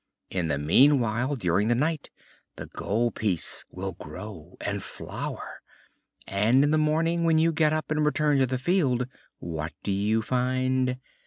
In the meanwhile, during the night, the gold piece will grow and flower, and in the morning when you get up and return to the field, what do you find?